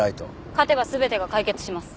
勝てば全てが解決します。